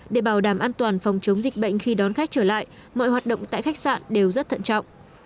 để bảo đảm an toàn phòng chống dịch bệnh khi đón khách trở lại mọi hoạt động tại khách sạn đều rất thận trọng